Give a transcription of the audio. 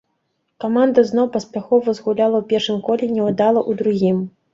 Каманда зноў паспяхова згуляла ў першым коле і няўдала ў другім.